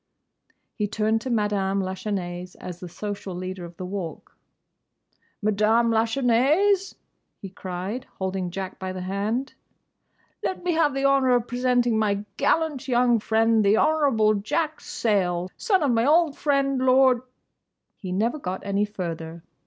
He turned to Madame Lachesnais as the social leader of the Walk. "Madame Lachesnais!" he cried, holding Jack by the hand, "Let me have the honour of presenting my gallant young friend, the Honourable Jack Sayle, son of my old friend, Lord—" He never got any further.